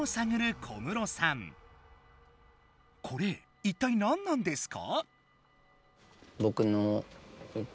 これ一体なんなんですか？